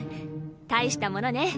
大したものね。